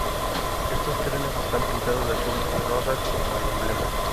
Estos trenes están pintados de azul y rosa, como el emblema.